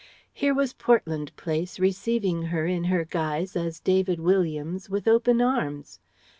Here was Portland Place receiving her in her guise as David Williams with open arms.